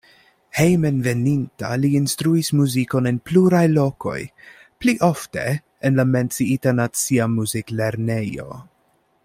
Hejmenveninta li instruis muzikon en pluraj lokoj, pli ofte en la menciita nacia muziklernejo.